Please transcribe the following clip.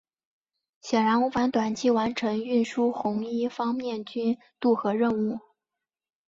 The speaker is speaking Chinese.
显然无法短期完成运输红一方面军渡河任务。